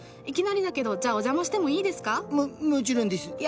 いきなりだけどじゃあお邪魔してもいいですか？ももちろんです。